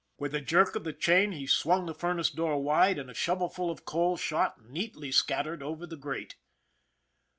With a jerk of the chain, he swung the furnace door wide and a shovelful of coal shot, neatly scat tered, over the grate.